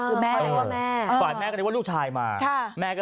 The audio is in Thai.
คือแม่ว่าแม่ค่ะ